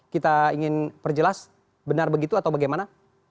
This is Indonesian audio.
kita ingin perjelas benar begitu atau bagaimana